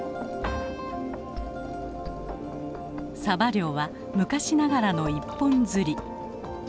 さば漁は昔ながらの一本釣り。